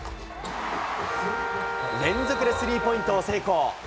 連続でスリーポイントを成功。